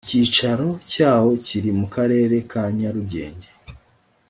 icyicaro cyawo kiri mu karere ka nyarugenge.